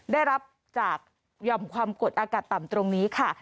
ได้รับจากหย่อมความกดอากาศต่ำตรงนี้ค่ะ